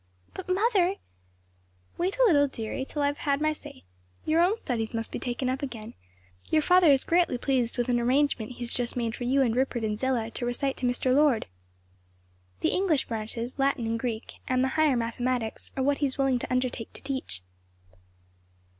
"But mother " "Wait a little, dearie, till I have said my say. Your own studies must be taken up again. Your father is greatly pleased with an arrangement he has just made for you and Rupert and Zillah to recite to Mr. Lord. "The English branches, Latin, Greek and the higher mathematics, are what he is willing to undertake to teach."